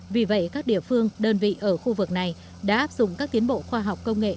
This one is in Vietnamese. vì vậy các địa phương đơn vị ở khu vực này đã áp dụng các tiến bộ khoa học công nghệ